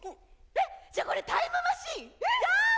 えっじゃあこれタイムマシン⁉いやぁ。